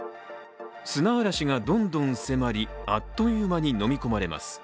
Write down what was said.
砂嵐がどんどん迫り、あっという間にのみ込まれます。